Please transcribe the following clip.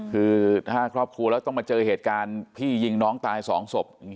คือถ้าครอบครัวแล้วต้องมาเจอเหตุการณ์พี่ยิงน้องตายสองศพ